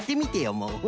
もう。